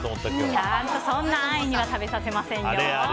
ちゃんとそんな安易には食べさせません。